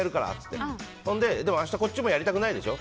明日こっちもやりたくないでしょ。